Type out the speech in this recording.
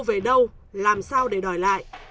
về đâu làm sao để đòi lại